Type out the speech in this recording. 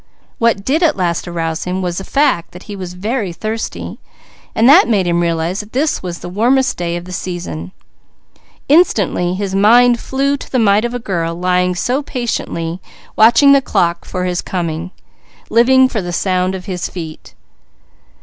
What did at last arouse him was the fact that he was very thirsty. That made him realize that this was the warmest day of the season. Instantly his mind flew to the mite of a girl, lying so patiently, watching the clock for his coming, living for the sound of his feet.